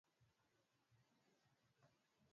mkuu alikuwa Sultani wa Waosmani Imani rasmi